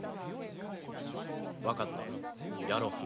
分かったやろう。